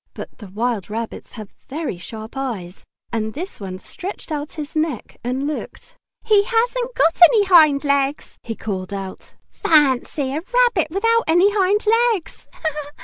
But the wild rabbits have very sharp eyes. And this one stretched out his neck and looked. "He hasn't got any hind legs!" he called out. "Fancy a rabbit without any hind legs!"